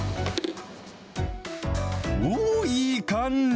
おー、いい感じ。